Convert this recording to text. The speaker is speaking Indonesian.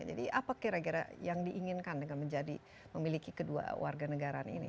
jadi apa kira kira yang diinginkan dengan menjadi memiliki kedua warga negara ini